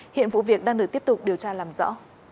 hiện vụ việc đang được tiếp tục điều tra làm rõ